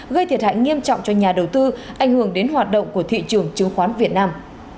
gây thiệt hại nghiêm trọng cho nhà đầu tư ảnh hưởng đến hoạt động của thị trường chứng khoán việt nam